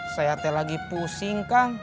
saya lagi pusing kang